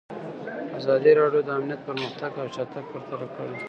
ازادي راډیو د امنیت پرمختګ او شاتګ پرتله کړی.